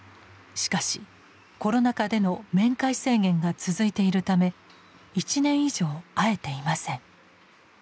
しかしコロナ禍での面会制限が続いているため１年以上会えていません。